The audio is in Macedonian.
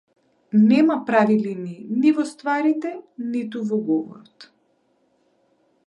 Нема прави линии, ни во стварите, ниту во говорот.